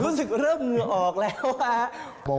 รู้สึกเริ่มเหงื่อออกแล้วครับ